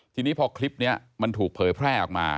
ทีนี้พอคลิปนี้มันถูกเผยแพร่ออกมา